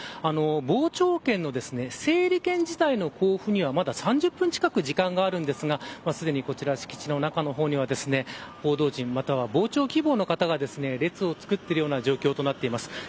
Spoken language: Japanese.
傍聴券の整理券自体の交付には３０分近く時間があるんですがすでにこちら、敷地の中には報道陣、または傍聴希望の方が列をつくっている状況です。